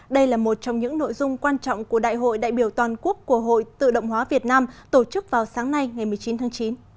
đây là một trong những nội dung quan trọng của đại hội đại biểu toàn quốc của hội tự động hóa việt nam tổ chức vào sáng nay ngày một mươi chín tháng chín